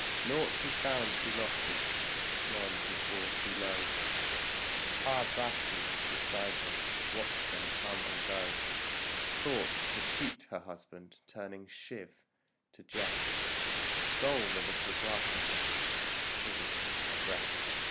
Naught he found too lofty, none he saw too low Parbati beside him watched them come and go; Thought to cheat her husband, turning Shiv to jest Stole the little grasshopper and hid it in her breast.